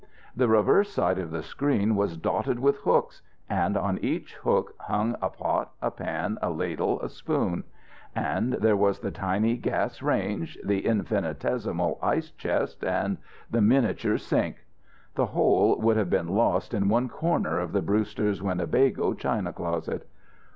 The reverse side of the screen was dotted with hooks, and on each hook hung a pot, a pan, a ladle, a spoon. And there was the tiny gas range, the infinitesimal ice chest, the miniature sink. The whole would have been lost in one corner of the Brewster's Winnebago china closet.